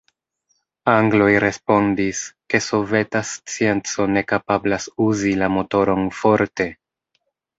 Angloj respondis, ke soveta scienco ne kapablas uzi la motoron forte.